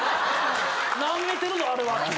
ナメてるぞあれは。